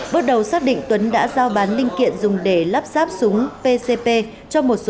bước đầu xác định tuấn đã giao bán linh kiện dùng để lắp ráp súng pcp cho một số